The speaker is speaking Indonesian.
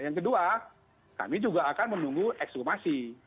yang kedua kami juga akan menunggu ekshumasi